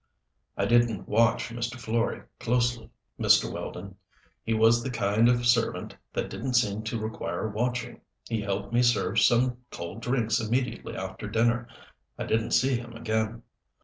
"I didn't watch Mr. Florey closely, Mr. Weldon. He was the kind of servant that didn't seem to require watching. He helped me serve some cold drinks immediately after dinner. I didn't see him again."